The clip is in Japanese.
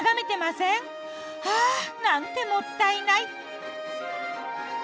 ああなんてもったいない。